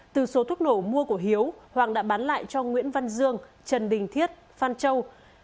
từ số thuốc nổ mua của hiếu hoàng đã bán lại cho nguyễn văn dương trần đình thiết phan châu